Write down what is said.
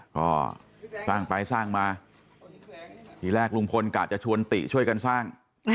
ก็สร้างไปสร้างมาทีแรกลุงพลกะจะชวนติช่วยกันสร้าง